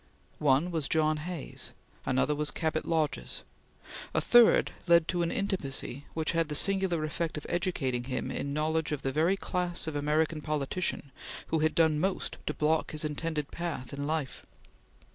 One was John Hay's; another was Cabot Lodge's; a third led to an intimacy which had the singular effect of educating him in knowledge of the very class of American politician who had done most to block his intended path in life.